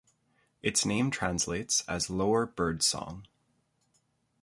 Its name translates as lower bird song.